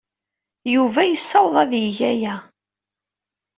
Yuba yessaweḍ ad yeg aya.